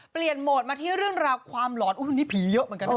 เปลี่ยนโหมดมาที่เรื่องราวความหลอนอุ้ยนี่ผีเยอะเหมือนกันนะครับ